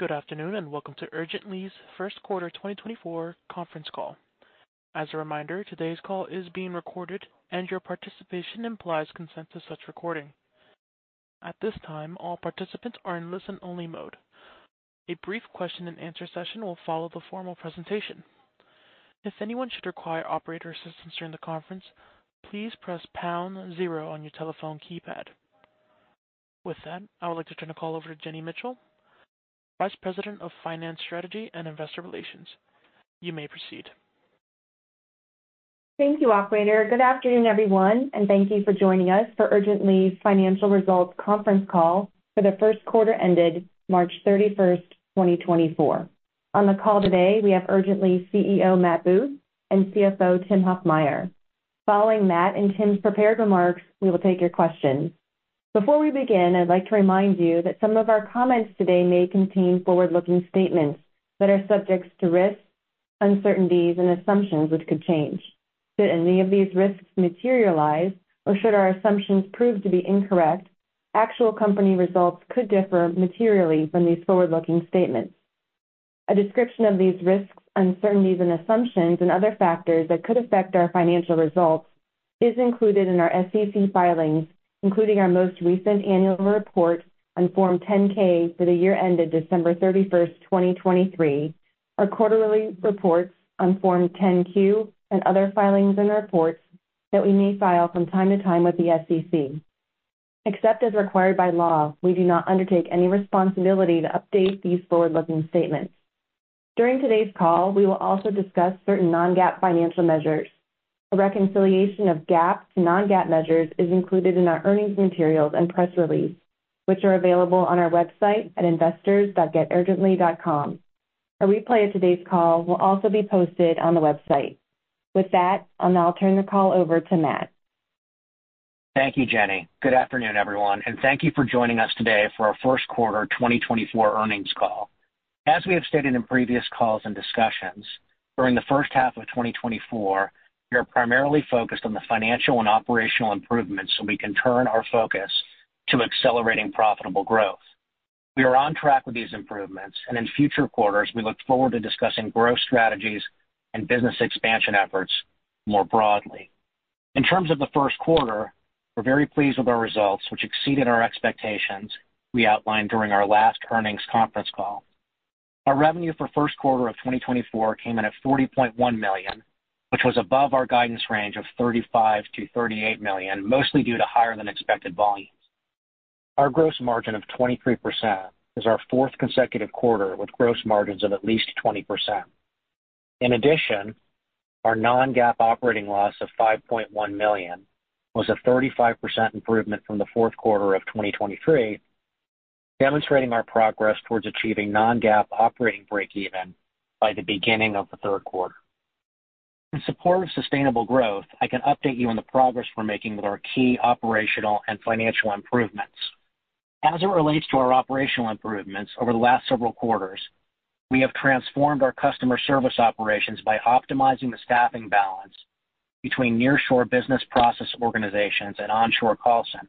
Good afternoon and welcome to Urgently's first quarter 2024 conference call. As a reminder, today's call is being recorded and your participation implies consent to such recording. At this time, all participants are in listen-only mode. A brief question-and-answer session will follow the formal presentation. If anyone should require operator assistance during the conference, please press pound zero on your telephone keypad. With that, I would like to turn the call over to Jenny Mitchell, Vice President of Finance Strategy and Investor Relations. You may proceed. Thank you, Operator. Good afternoon, everyone, and thank you for joining us for Urgently's financial results conference call for the first quarter ended March 31st, 2024. On the call today, we have Urgently's CEO Matt Booth and CFO Tim Huffmyer. Following Matt and Tim's prepared remarks, we will take your questions. Before we begin, I'd like to remind you that some of our comments today may contain forward-looking statements that are subject to risks, uncertainties, and assumptions which could change. Should any of these risks materialize, or should our assumptions prove to be incorrect, actual company results could differ materially from these forward-looking statements. A description of these risks, uncertainties, and assumptions, and other factors that could affect our financial results is included in our SEC filings, including our most recent annual report on Form 10-K for the year ended December 31st, 2023, our quarterly reports on Form 10-Q, and other filings and reports that we may file from time to time with the SEC. Except as required by law, we do not undertake any responsibility to update these forward-looking statements. During today's call, we will also discuss certain non-GAAP financial measures. A reconciliation of GAAP to non-GAAP measures is included in our earnings materials and press release, which are available on our website at investors.geturgently.com. A replay of today's call will also be posted on the website. With that, I'll now turn the call over to Matt. Thank you, Jenny. Good afternoon, everyone, and thank you for joining us today for our first quarter 2024 earnings call. As we have stated in previous calls and discussions, during the first half of 2024, we are primarily focused on the financial and operational improvements so we can turn our focus to accelerating profitable growth. We are on track with these improvements, and in future quarters, we look forward to discussing growth strategies and business expansion efforts more broadly. In terms of the first quarter, we're very pleased with our results, which exceeded our expectations we outlined during our last earnings conference call. Our revenue for first quarter of 2024 came in at $40.1 million, which was above our guidance range of $35 million-$38 million, mostly due to higher-than-expected volumes. Our gross margin of 23% is our fourth consecutive quarter with gross margins of at least 20%. In addition, our non-GAAP operating loss of $5.1 million was a 35% improvement from the fourth quarter of 2023, demonstrating our progress towards achieving non-GAAP operating break-even by the beginning of the third quarter. In support of sustainable growth, I can update you on the progress we're making with our key operational and financial improvements. As it relates to our operational improvements over the last several quarters, we have transformed our customer service operations by optimizing the staffing balance between nearshore business process organizations and onshore call centers.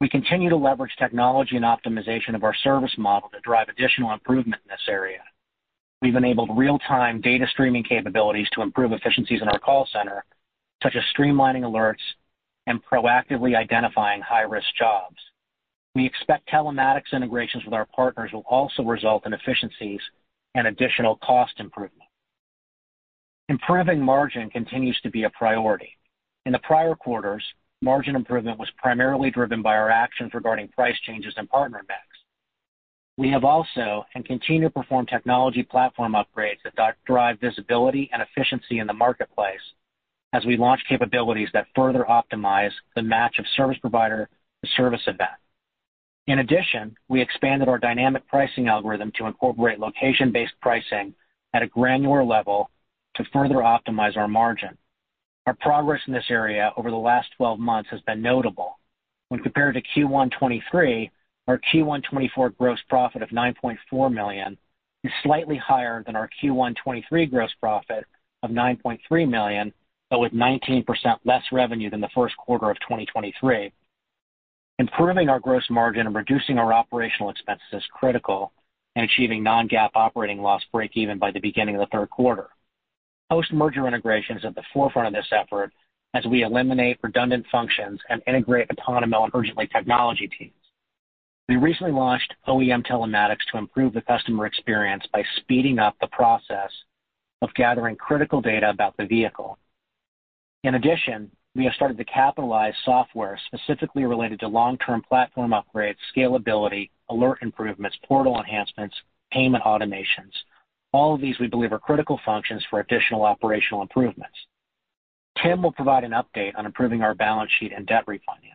We continue to leverage technology and optimization of our service model to drive additional improvement in this area. We've enabled real-time data streaming capabilities to improve efficiencies in our call center, such as streamlining alerts and proactively identifying high-risk jobs. We expect telematics integrations with our partners will also result in efficiencies and additional cost improvement. Improving margin continues to be a priority. In the prior quarters, margin improvement was primarily driven by our actions regarding price changes in partner mix. We have also and continue to perform technology platform upgrades that drive visibility and efficiency in the marketplace as we launch capabilities that further optimize the match of service provider to service event. In addition, we expanded our dynamic pricing algorithm to incorporate location-based pricing at a granular level to further optimize our margin. Our progress in this area over the last 12 months has been notable. When compared to Q1 2023, our Q1 2024 gross profit of $9.4 million is slightly higher than our Q1 2023 gross profit of $9.3 million, but with 19% less revenue than the first quarter of 2023. Improving our gross margin and reducing our operational expenses is critical in achieving non-GAAP operating loss break-even by the beginning of the third quarter. Post-merger integration is at the forefront of this effort as we eliminate redundant functions and integrate Otonomo and Urgently technology teams. We recently launched OEM Telematics to improve the customer experience by speeding up the process of gathering critical data about the vehicle. In addition, we have started to capitalize software specifically related to long-term platform upgrades, scalability, alert improvements, portal enhancements, payment automations. All of these we believe are critical functions for additional operational improvements. Tim will provide an update on improving our balance sheet and debt refinance.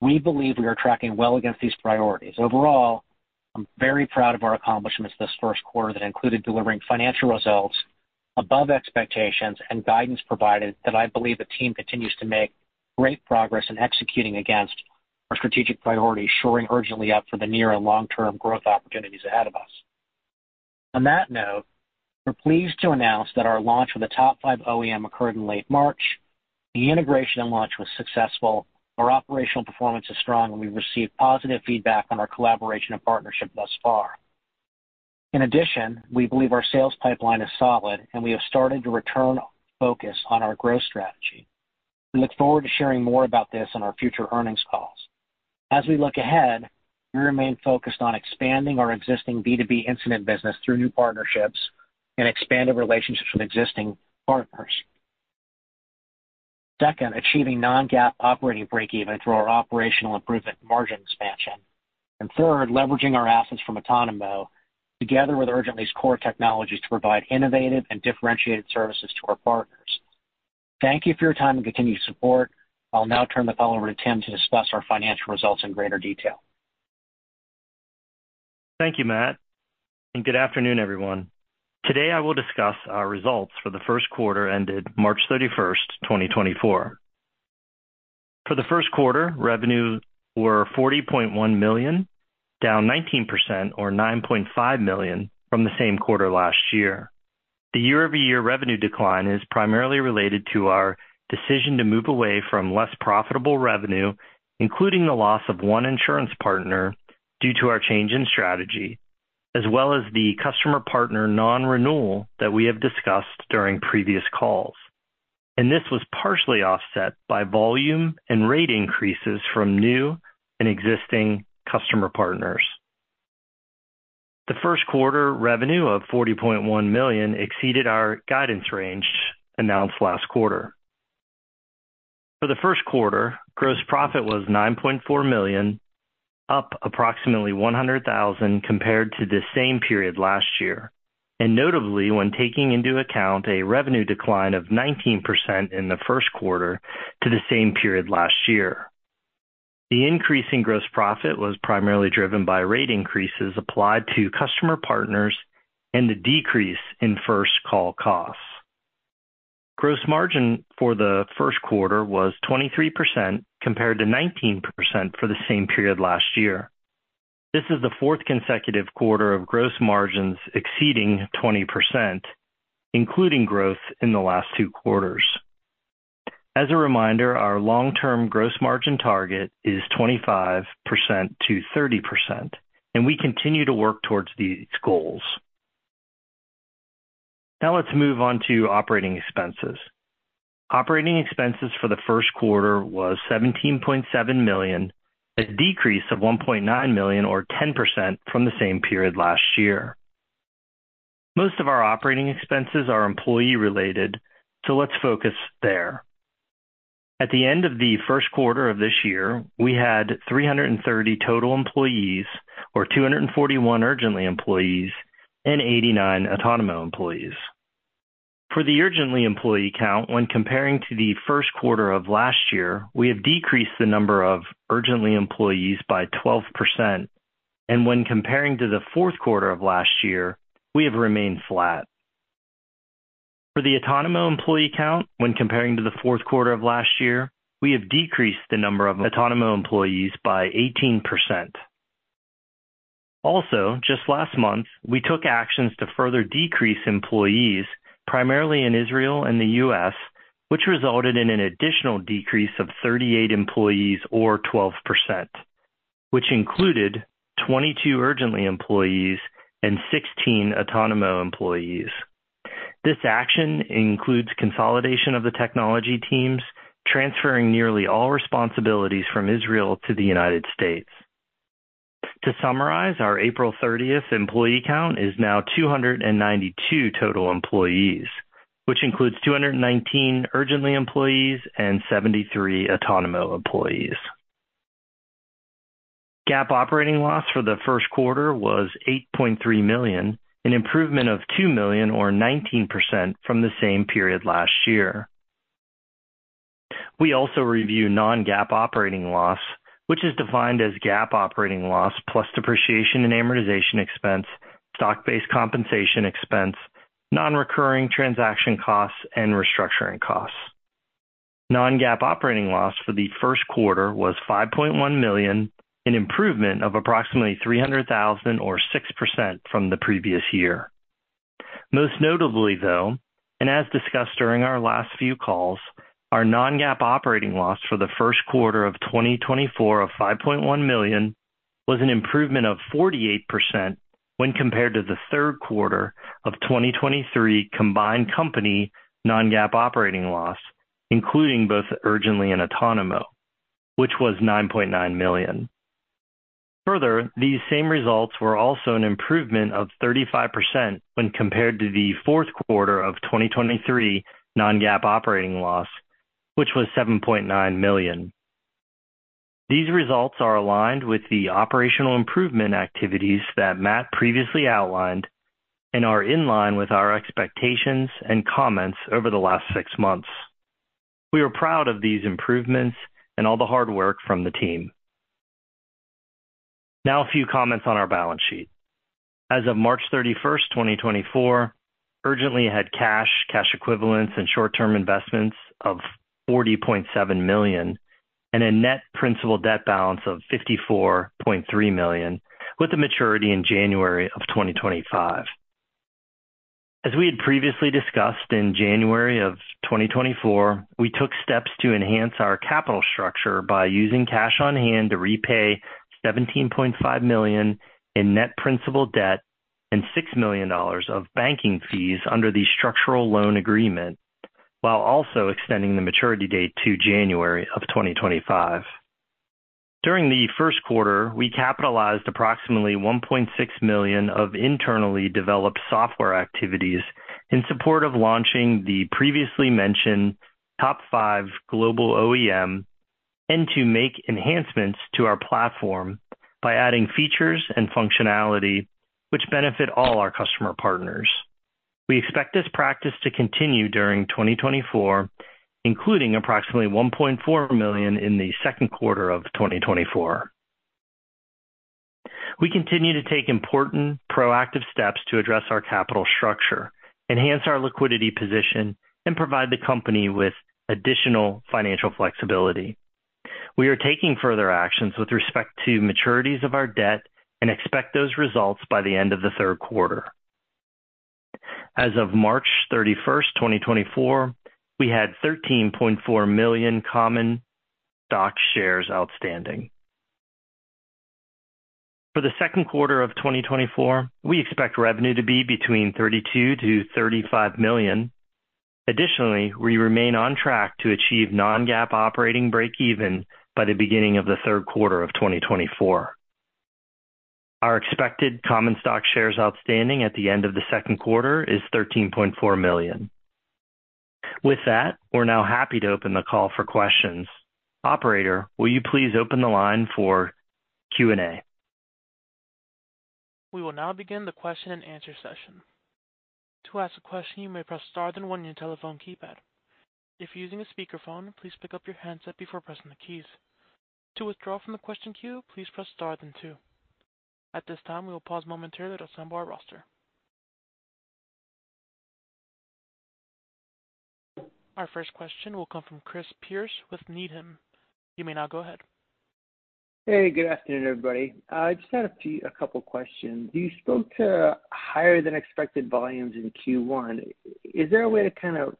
We believe we are tracking well against these priorities. Overall, I'm very proud of our accomplishments this first quarter that included delivering financial results above expectations and guidance provided that I believe the team continues to make great progress in executing against our strategic priorities, shoring Urgently up for the near and long-term growth opportunities ahead of us. On that note, we're pleased to announce that our launch of the top five OEM occurred in late March. The integration and launch was successful. Our operational performance is strong, and we've received positive feedback on our collaboration and partnership thus far. In addition, we believe our sales pipeline is solid, and we have started to return focus on our growth strategy. We look forward to sharing more about this on our future earnings calls. As we look ahead, we remain focused on expanding our existing B2B incident business through new partnerships and expanding relationships with existing partners. Second, achieving non-GAAP operating break-even through our operational improvement margin expansion. And third, leveraging our assets from Otonomo together with Urgently's core technologies to provide innovative and differentiated services to our partners. Thank you for your time and continued support. I'll now turn the call over to Tim to discuss our financial results in greater detail. Thank you, Matt, and good afternoon, everyone. Today, I will discuss our results for the first quarter ended March 31st, 2024. For the first quarter, revenues were $40.1 million, down 19% or $9.5 million from the same quarter last year. The year-over-year revenue decline is primarily related to our decision to move away from less profitable revenue, including the loss of one insurance partner due to our change in strategy, as well as the customer partner non-renewal that we have discussed during previous calls. This was partially offset by volume and rate increases from new and existing customer partners. The first quarter revenue of $40.1 million exceeded our guidance range announced last quarter. For the first quarter, gross profit was $9.4 million, up approximately $100,000 compared to the same period last year, and notably when taking into account a revenue decline of 19% in the first quarter to the same period last year. The increase in gross profit was primarily driven by rate increases applied to customer partners and the decrease in first call costs. Gross margin for the first quarter was 23% compared to 19% for the same period last year. This is the fourth consecutive quarter of gross margins exceeding 20%, including growth in the last two quarters. As a reminder, our long-term gross margin target is 25%-30%, and we continue to work towards these goals. Now let's move on to operating expenses. Operating expenses for the first quarter was $17.7 million, a decrease of $1.9 million or 10% from the same period last year. Most of our operating expenses are employee-related, so let's focus there. At the end of the first quarter of this year, we had 330 total employees, or 241 Urgently employees, and 89 Otonomo employees. For the Urgently employee count, when comparing to the first quarter of last year, we have decreased the number of Urgently employees by 12%, and when comparing to the fourth quarter of last year, we have remained flat. For the Otonomo employee count, when comparing to the fourth quarter of last year, we have decreased the number of Otonomo employees by 18%. Also, just last month, we took actions to further decrease employees, primarily in Israel and the U.S., which resulted in an additional decrease of 38 employees or 12%, which included 22 Urgently employees and 16 Otonomo employees. This action includes consolidation of the technology teams, transferring nearly all responsibilities from Israel to the United States. To summarize, our April 30th employee count is now 292 total employees, which includes 219 Urgently employees and 73 Otonomo employees. GAAP operating loss for the first quarter was $8.3 million, an improvement of $2 million or 19% from the same period last year. We also review non-GAAP operating loss, which is defined as GAAP operating loss plus depreciation and amortization expense, stock-based compensation expense, non-recurring transaction costs, and restructuring costs. Non-GAAP operating loss for the first quarter was $5.1 million, an improvement of approximately $300,000 or 6% from the previous year. Most notably, though, and as discussed during our last few calls, our non-GAAP operating loss for the first quarter of 2024 of $5.1 million was an improvement of 48% when compared to the third quarter of 2023 combined company non-GAAP operating loss, including both Urgently and Otonomo, which was $9.9 million. Further, these same results were also an improvement of 35% when compared to the fourth quarter of 2023 non-GAAP operating loss, which was $7.9 million. These results are aligned with the operational improvement activities that Matt previously outlined and are in line with our expectations and comments over the last six months. We are proud of these improvements and all the hard work from the team. Now a few comments on our balance sheet. As of March 31st, 2024, Urgently had cash, cash equivalents, and short-term investments of $40.7 million and a net principal debt balance of $54.3 million, with a maturity in January of 2025. As we had previously discussed, in January of 2024, we took steps to enhance our capital structure by using cash on hand to repay $17.5 million in net principal debt and $6 million of banking fees under the structured loan agreement, while also extending the maturity date to January of 2025. During the first quarter, we capitalized approximately $1.6 million of internally developed software activities in support of launching the previously mentioned top five global OEM and to make enhancements to our platform by adding features and functionality which benefit all our customer partners. We expect this practice to continue during 2024, including approximately $1.4 million in the second quarter of 2024. We continue to take important, proactive steps to address our capital structure, enhance our liquidity position, and provide the company with additional financial flexibility. We are taking further actions with respect to maturities of our debt and expect those results by the end of the third quarter. As of March 31st, 2024, we had 13.4 million common stock shares outstanding. For the second quarter of 2024, we expect revenue to be between $32 million-$35 million. Additionally, we remain on track to achieve non-GAAP operating break-even by the beginning of the third quarter of 2024. Our expected common stock shares outstanding at the end of the second quarter is 13.4 million. With that, we're now happy to open the call for questions. Operator, will you please open the line for Q&A? We will now begin the question and answer session. To ask a question, you may press star, then one on your telephone keypad. If using a speakerphone, please pick up your handset before pressing the keys. To withdraw from the question queue, please press star, then two. At this time, we will pause momentarily to assemble our roster. Our first question will come from Chris Pierce with Needham. You may now go ahead. Hey, good afternoon, everybody. I just had a couple of questions. You spoke to higher than expected volumes in Q1. Is there a way to kind of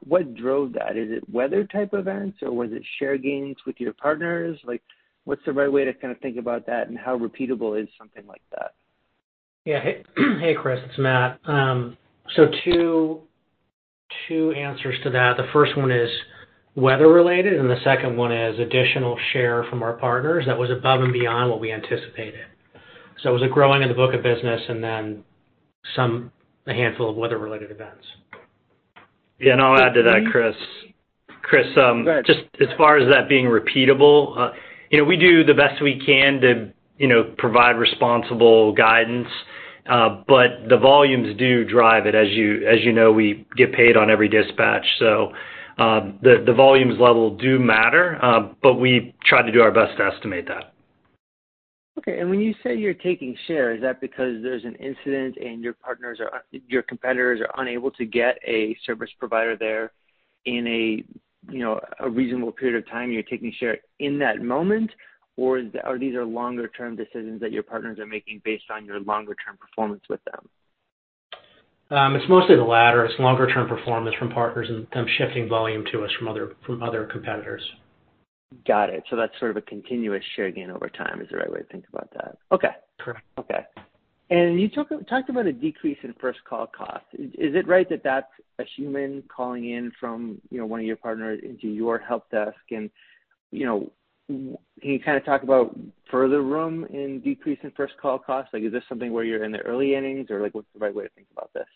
what drove that? Is it weather-type events, or was it share gains with your partners? What's the right way to kind of think about that, and how repeatable is something like that? Yeah. Hey, Chris. It's Matt. So two answers to that. The first one is weather-related, and the second one is additional share from our partners that was above and beyond what we anticipated. So it was a growing in the book of business and then a handful of weather-related events. Yeah. I'll add to that, Chris. Chris, just as far as that being repeatable, we do the best we can to provide responsible guidance, but the volumes do drive it. As you know, we get paid on every dispatch, so the volumes level do matter, but we try to do our best to estimate that. Okay. And when you say you're taking share, is that because there's an incident and your partners or your competitors are unable to get a service provider there in a reasonable period of time? You're taking share in that moment, or are these longer-term decisions that your partners are making based on your longer-term performance with them? It's mostly the latter. It's longer-term performance from partners and them shifting volume to us from other competitors. Got it. So that's sort of a continuous share gain over time. Is the right way to think about that? Okay. Correct. Okay. And you talked about a decrease in first call costs. Is it right that that's a human calling in from one of your partners into your help desk? And can you kind of talk about further room in decrease in first call costs? Is this something where you're in the early innings, or what's the right way to think about this?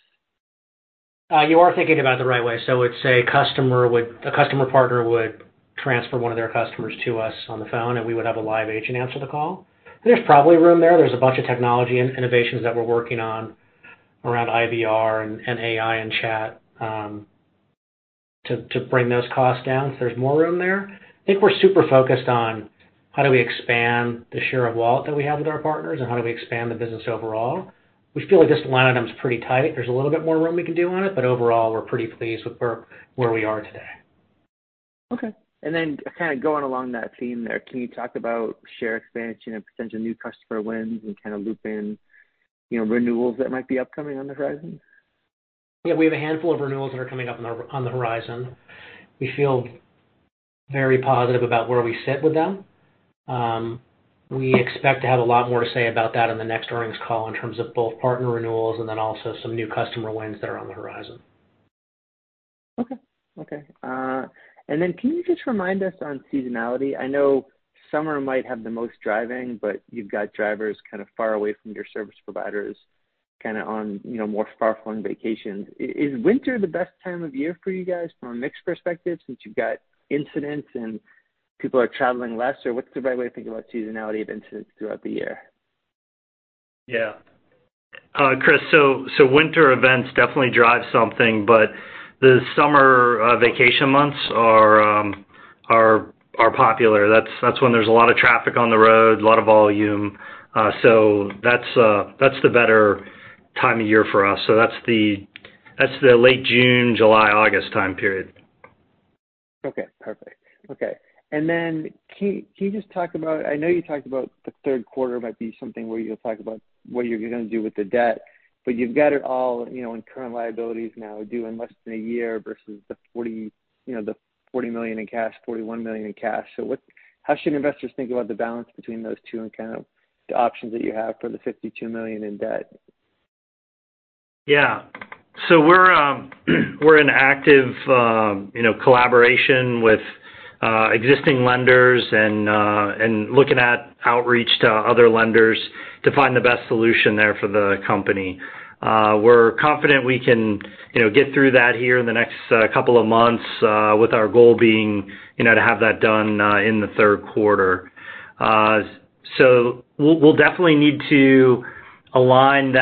You are thinking about it the right way. So I would say a customer partner would transfer one of their customers to us on the phone, and we would have a live agent answer the call. There's probably room there. There's a bunch of technology innovations that we're working on around IVR and AI and chat to bring those costs down, so there's more room there. I think we're super focused on how do we expand the share of wallet that we have with our partners and how do we expand the business overall. We feel like this line item's pretty tight. There's a little bit more room we can do on it, but overall, we're pretty pleased with where we are today. Okay. Then, kind of going along that theme there, can you talk about share expansion and potential new customer wins and kind of loop in renewals that might be upcoming on the horizon? Yeah. We have a handful of renewals that are coming up on the horizon. We feel very positive about where we sit with them. We expect to have a lot more to say about that in the next earnings call in terms of both partner renewals and then also some new customer wins that are on the horizon. Okay. Okay. And then can you just remind us on seasonality? I know summer might have the most driving, but you've got drivers kind of far away from your service providers, kind of on more far-flung vacations. Is winter the best time of year for you guys from a mixed perspective since you've got incidents and people are traveling less? Or what's the right way to think about seasonality of incidents throughout the year? Yeah. Chris, so winter events definitely drive something, but the summer vacation months are popular. That's when there's a lot of traffic on the road, a lot of volume. So that's the better time of year for us. So that's the late June, July, August time period. Okay. Perfect. Okay. And then can you just talk about? I know you talked about the third quarter might be something where you'll talk about what you're going to do with the debt, but you've got it all in current liabilities now due in less than a year versus the $40 million in cash, $41 million in cash. So how should investors think about the balance between those two and kind of the options that you have for the $52 million in debt? Yeah. So we're in active collaboration with existing lenders and looking at outreach to other lenders to find the best solution there for the company. We're confident we can get through that here in the next couple of months with our goal being to have that done in the third quarter. So we'll definitely need to align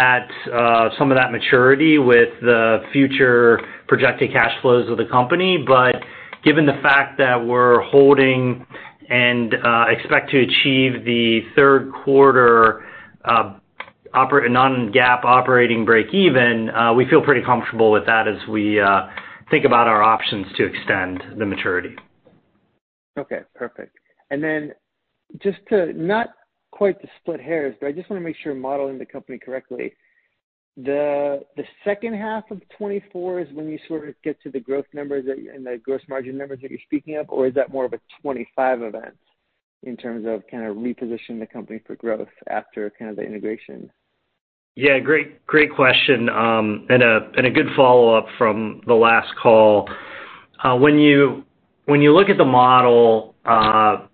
some of that maturity with the future projected cash flows of the company. But given the fact that we're holding and expect to achieve the third quarter non-GAAP operating break-even, we feel pretty comfortable with that as we think about our options to extend the maturity. Okay. Perfect. And then just not to split hairs, but I just want to make sure I'm modeling the company correctly. The second half of 2024 is when you sort of get to the growth numbers and the gross margin numbers that you're speaking of, or is that more of a 2025 event in terms of kind of repositioning the company for growth after kind of the integration? Yeah. Great question and a good follow-up from the last call. When you look at the model,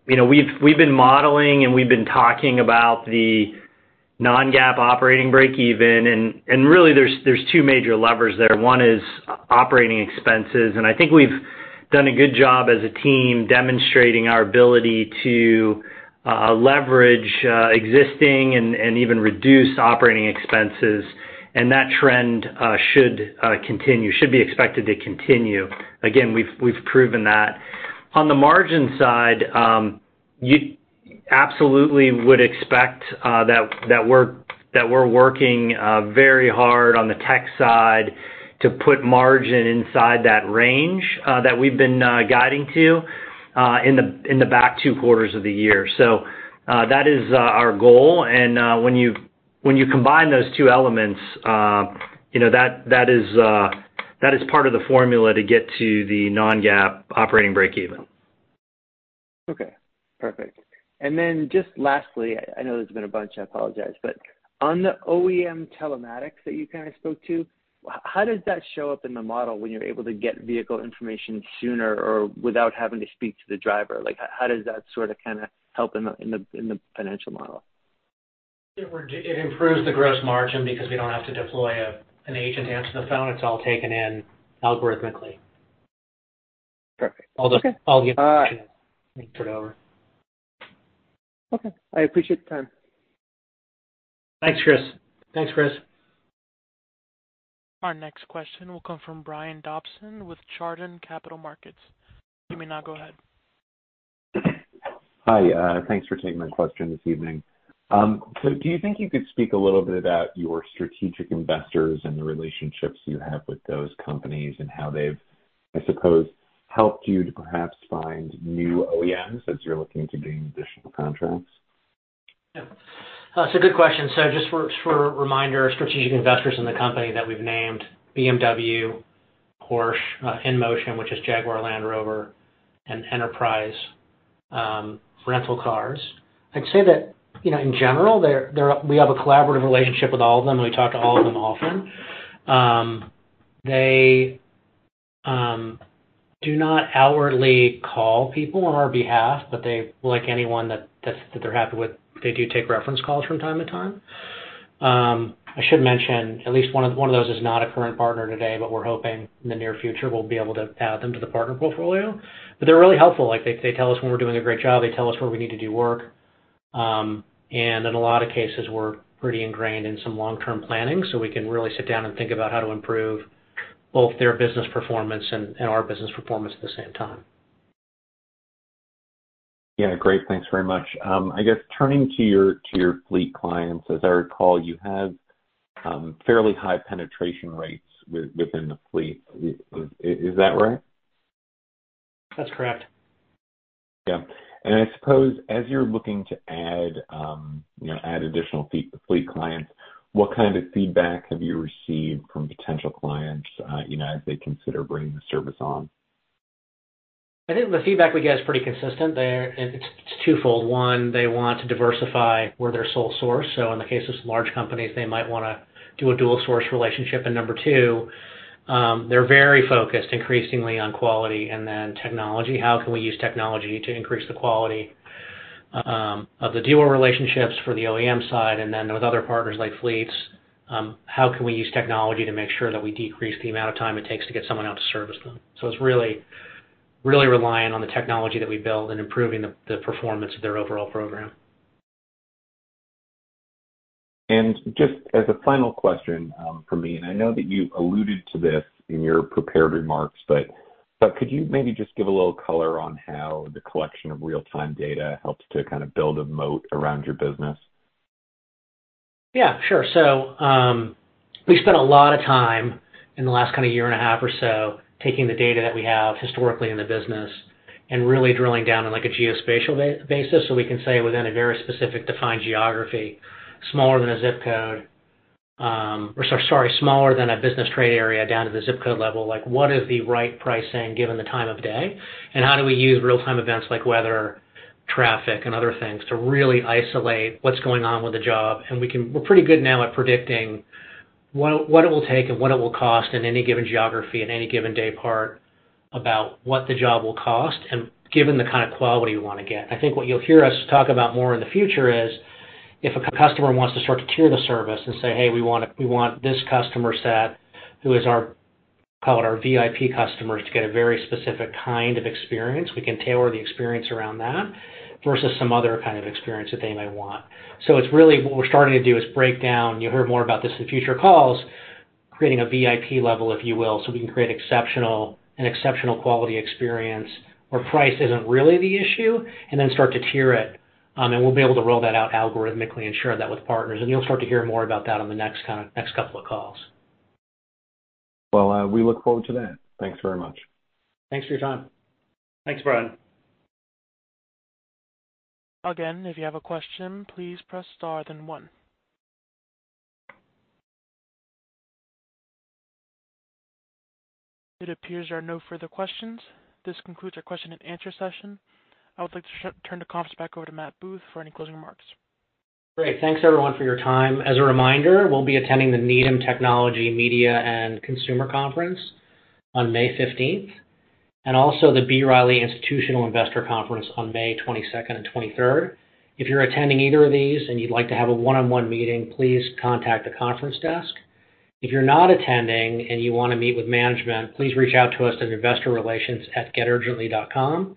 we've been modeling, and we've been talking about the non-GAAP operating break-even. And really, there's two major levers there. One is operating expenses. And I think we've done a good job as a team demonstrating our ability to leverage existing and even reduce operating expenses, and that trend should be expected to continue. Again, we've proven that. On the margin side, you absolutely would expect that we're working very hard on the tech side to put margin inside that range that we've been guiding to in the back two quarters of the year. So that is our goal. And when you combine those two elements, that is part of the formula to get to the non-GAAP operating break-even. Okay. Perfect. And then just lastly, I know there's been a bunch. I apologize. But on the OEM Telematics that you kind of spoke to, how does that show up in the model when you're able to get vehicle information sooner or without having to speak to the driver? How does that sort of kind of help in the financial model? It improves the gross margin because we don't have to deploy an agent to answer the phone. It's all taken in algorithmically. Perfect. Okay. All the information is transferred over. Okay. I appreciate the time. Thanks, Chris. Thanks, Chris. Our next question will come from Brian Dobson with Chardan Capital Markets. You may now go ahead. Hi. Thanks for taking my question this evening. So do you think you could speak a little bit about your strategic investors and the relationships you have with those companies and how they've, I suppose, helped you to perhaps find new OEMs as you're looking to gain additional contracts? Yeah. That's a good question. So just for a reminder, strategic investors in the company that we've named: BMW, Porsche, InMotion, which is Jaguar Land Rover, and Enterprise Rental Cars. I'd say that in general, we have a collaborative relationship with all of them, and we talk to all of them often. They do not outwardly call people on our behalf, but like anyone that they're happy with, they do take reference calls from time to time. I should mention, at least one of those is not a current partner today, but we're hoping in the near future we'll be able to add them to the partner portfolio. But they're really helpful. They tell us when we're doing a great job. They tell us where we need to do work. In a lot of cases, we're pretty ingrained in some long-term planning so we can really sit down and think about how to improve both their business performance and our business performance at the same time. Yeah. Great. Thanks very much. I guess turning to your fleet clients, as I recall, you have fairly high penetration rates within the fleet. Is that right? That's correct. Yeah. I suppose as you're looking to add additional fleet clients, what kind of feedback have you received from potential clients as they consider bringing the service on? I think the feedback we get is pretty consistent. It's twofold. One, they want to diversify where they're sole source. So in the case of some large companies, they might want to do a dual-source relationship. And number two, they're very focused increasingly on quality and then technology. How can we use technology to increase the quality of the dealer relationships for the OEM side? And then with other partners like fleets, how can we use technology to make sure that we decrease the amount of time it takes to get someone out to service them? So it's really relying on the technology that we build and improving the performance of their overall program. Just as a final question for me - and I know that you alluded to this in your prepared remarks, but could you maybe just give a little color on how the collection of real-time data helps to kind of build a moat around your business? Yeah. Sure. So we spent a lot of time in the last kind of year and a half or so taking the data that we have historically in the business and really drilling down on a geospatial basis so we can say within a very specific defined geography, smaller than a zip code or sorry, smaller than a business trade area down to the zip code level, what is the right pricing given the time of day? And how do we use real-time events like weather, traffic, and other things to really isolate what's going on with the job? And we're pretty good now at predicting what it will take and what it will cost in any given geography at any given day part about what the job will cost and given the kind of quality we want to get. I think what you'll hear us talk about more in the future is if a customer wants to start to tier the service and say, "Hey, we want this customer set who is, call it, our VIP customers to get a very specific kind of experience," we can tailor the experience around that versus some other kind of experience that they might want. So it's really what we're starting to do is break down - you'll hear more about this in future calls - creating a VIP level, if you will, so we can create an exceptional quality experience where price isn't really the issue and then start to tier it. And we'll be able to roll that out algorithmically and share that with partners. And you'll start to hear more about that on the next couple of calls. Well, we look forward to that. Thanks very much. Thanks for your time. Thanks, Brian. Again, if you have a question, please press star then one. It appears there are no further questions. This concludes our question and answer session. I would like to turn the conference back over to Matt Booth for any closing remarks. Great. Thanks, everyone, for your time. As a reminder, we'll be attending the Needham Technology, Media, and Consumer Conference on May 15th and also the B. Riley Institutional Investor Conference on May 22nd and 23rd. If you're attending either of these and you'd like to have a one-on-one meeting, please contact the conference desk. If you're not attending and you want to meet with management, please reach out to us at investorrelations@geturgently.com,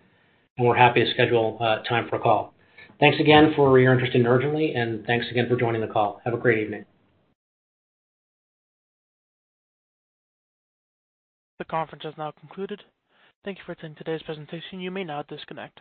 and we're happy to schedule time for a call. Thanks again for your interest in Urgently. Thanks again for joining the call. Have a great evening. The conference has now concluded. Thank you for attending today's presentation. You may now disconnect.